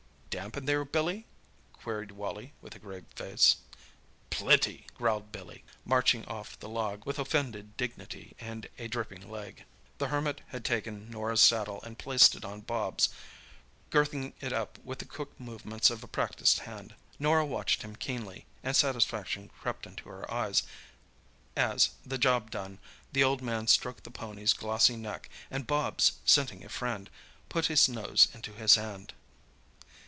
"Damp in there, Billy?" queried Wally, with a grave face. "Plenty!" growled Billy, marching off the log with offended dignity and a dripping leg. The Hermit had taken Norah's saddle and placed it on Bobs, girthing it up with the quick movements of a practised hand. Norah watched him keenly, and satisfaction crept into her eyes, as, the job done, the old man stroked the pony's glossy neck, and Bobs, scenting a friend, put his nose into his hand.